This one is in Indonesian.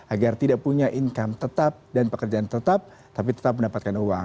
agar tidak punya income tetap dan pekerjaan tetap tapi tetap mendapatkan uang